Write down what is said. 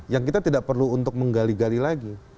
yang kita tidak perlu untuk menggali gali lagi